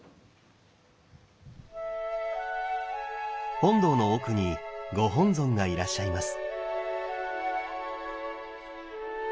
本堂の奥にご本尊がいらっしゃいます。